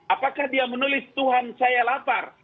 apakah dia menulis tuhan saya lapar